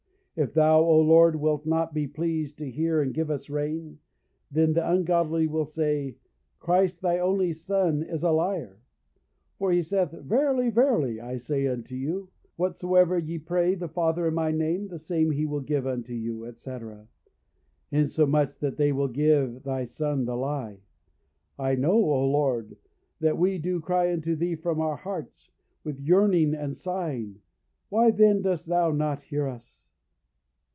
If thou, O Lord, wilt not be pleased to hear and give us rain, then the ungodly will say, Christ thy only Son is a liar. For he saith, 'Verily, verily, I say unto you, Whatsoever ye pray the Father in my name, the same he will give unto you,' etc. Insomuch that they will give thy Son the lie. I know, O Lord, that we do cry unto thee from our hearts, with yearning and sighing, why then dost thou not hear us?"